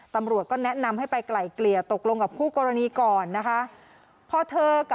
ตำรวจก็แนะนำให้ไปไกลเกลี่ยตกลงกับคู่กรณีก่อนนะคะ